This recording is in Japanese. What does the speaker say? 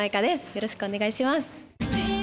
よろしくお願いします